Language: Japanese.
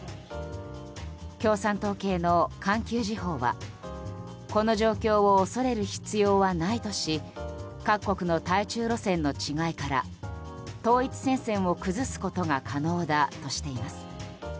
共産党系の環球時報はこの状況を恐れる必要はないとし各国の対中路線の違いから統一戦線を崩すことが可能だとしています。